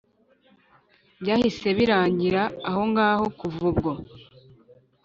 Byahise birangira ahongaho kuva ubwo